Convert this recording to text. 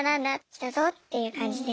来たぞっていう感じで。